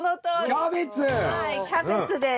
はいキャベツです。